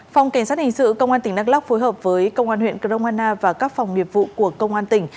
phòng cảnh sát hình sự công an tỉnh đắk lóc phối hợp với công an huyện cromana và các phòng nghiệp vụ của công an tỉnh